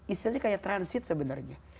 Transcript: istilahnya kayak transit sebenarnya